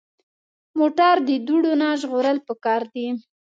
موټر د دوړو نه ژغورل پکار دي.